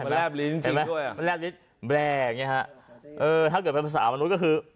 แร็บลิ้นแบลงอย่างเงี้ยฮะเออถ้าเกิดเป็นภาษามนุษย์ก็คือ